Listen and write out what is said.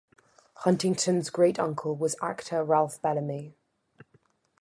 Huntington's great-uncle was actor Ralph Bellamy.